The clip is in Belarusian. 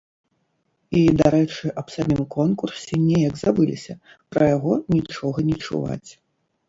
І, дарэчы, аб самім конкурсе неяк забыліся, пра яго нічога не чуваць.